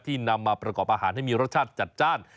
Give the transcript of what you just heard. นำมาประกอบอาหารให้มีรสชาติจัดจ้าน